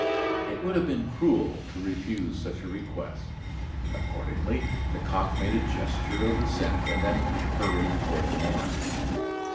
It would have been cruel to refuse such a request. Accordingly, Lecoq made a gesture of assent, and then hurried toward the Morgue.